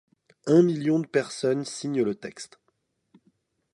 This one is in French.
Un million de personnes signent le texte.